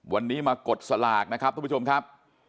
วันนี้มากดสลากนะครับทุกผู้ชมครับ